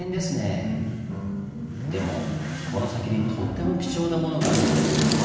でもこの先にとっても貴重なものがあるので頑張って下さい！